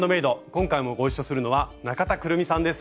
今回もご一緒するのは中田クルミさんです。